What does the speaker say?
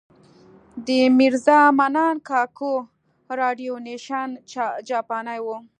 د میرزا منان کاکو راډیو نېشن جاپانۍ وه.